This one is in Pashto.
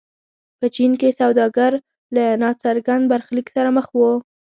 په چین کې سوداګر له ناڅرګند برخلیک سره مخ وو.